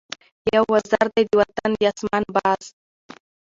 یو وزر دی د وطن د آسمان ، باز